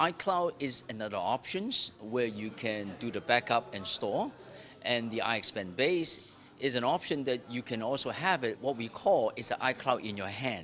pertama penyimpanan data terbaru dan perangkat ixpand juga bisa diperoleh dengan icloud di tangan